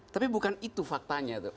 tapi bukan itu faktanya tuh